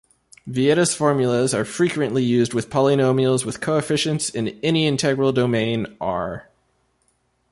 Vieta's formulas are frequently used with polynomials with coefficients in any integral domain "R".